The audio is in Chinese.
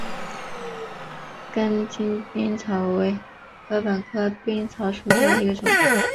根茎冰草为禾本科冰草属下的一个种。